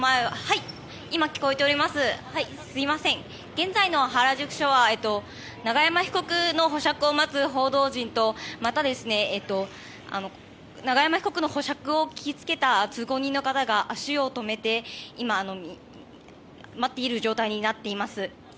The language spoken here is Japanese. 現在の原宿署は永山被告の保釈を待つ報道陣とまた、永山被告の保釈を聞きつけた通行人の方が足を止めて待っている状態になっています。